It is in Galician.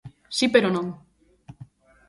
Si pero non.